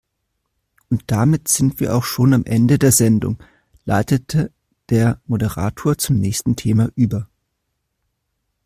Und damit sind wir auch schon am Ende der Sendung, leitete der Moderator zum nächsten Thema über.